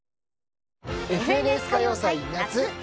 「ＦＮＳ歌謡祭夏」。